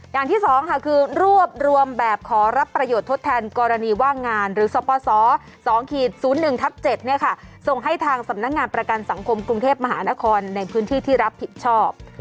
อย่างที่๒ค่ะคือรวบรวมแบบขอรับประโยชน์ทดแทนกรณีว่างงานหรือสปส๒๐๑ทับ๗ส่งให้ทางสำนักงานประกันสังคมกรุงเทพมหานครในพื้นที่ที่รับผิดชอบ